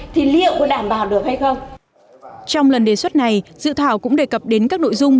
thì liệu có đảm bảo được hay không trong lần đề xuất này dự thảo cũng đề cập đến các nội dung